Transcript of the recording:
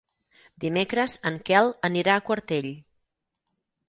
Dimecres en Quel anirà a Quartell.